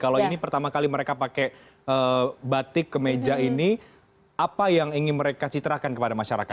kalau ini pertama kali mereka pakai batik kemeja ini apa yang ingin mereka citrakan kepada masyarakat